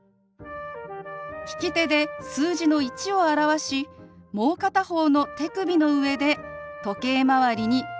利き手で数字の１を表しもう片方の手首の上で時計まわりにグルッとまわします。